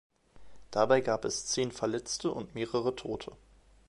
Dabei gab es zehn Verletzte und mehrere Tote.